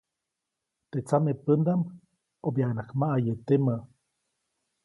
Teʼ tsamepändaʼm ʼobyaʼuŋnaʼak maʼaye temä.